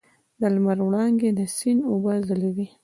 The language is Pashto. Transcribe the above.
د لمر وړانګې د سیند اوبه ځلوي.